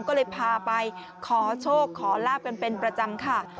ก็เลยพาไปขอโชคขอลาบกันเป็นประจำค่ะ